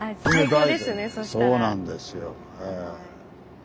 そうなんですよ。